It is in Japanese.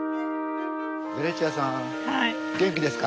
ベニシアさん元気ですか？